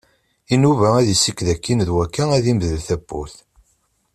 Inuba ad yessiked akkin d wakka ad yemdel tawwurt.